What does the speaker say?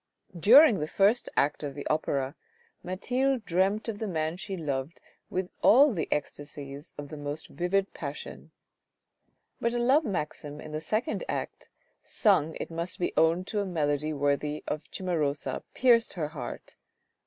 During the first act of the opera, Mathilde dreamt of the man she loved with all the ecstasies of the most vivid passion ; but a love maxim in the second act sung it must be owned to a melody worthy of Cimarosa pierced her heart.